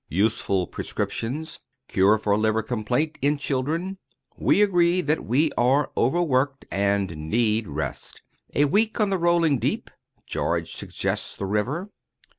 —Useful prescriptions.—Cure for liver complaint in children.—We agree that we are overworked, and need rest.—A week on the rolling deep?—George suggests the River.